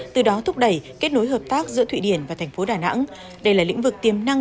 từ đó thúc đẩy kết nối hợp tác giữa thụy điển và thành phố đà nẵng đây là lĩnh vực tiềm năng